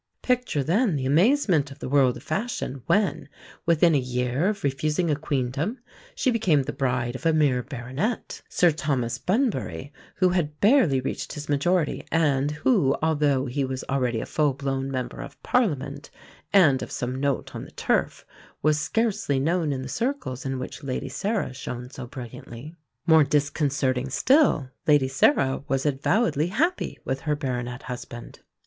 Picture then the amazement of the world of fashion when, within a year of refusing a Queendom, she became the bride of a mere Baronet Sir Thomas Bunbury, who had barely reached his majority, and who, although he was already a full blown Member of Parliament and of some note on the Turf, was scarcely known in the circles in which Lady Sarah shone so brilliantly. More disconcerting still, Lady Sarah was avowedly happy with her baronet husband.